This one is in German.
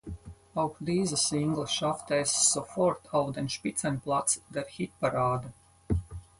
Auch diese Single schaffte es sofort auf den Spitzenplatz der Hitparade.